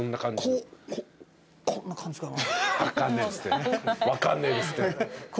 こうこんな感じかな。